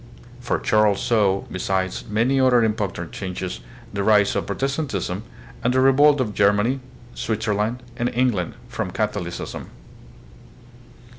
For Charles saw, besides many other important changes, the rise of Protestantism, and the revolt of Germany, Switzerland, and England from Catholicism.